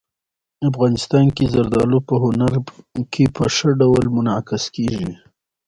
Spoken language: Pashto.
افغانستان کې زردالو په هنر کې په ښه ډول منعکس کېږي.